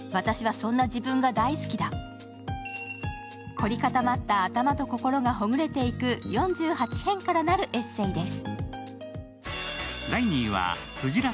凝り固まった頭と心がほぐれていく４８編からなるエッセーです。